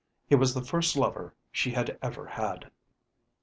He was the first lover she had ever had.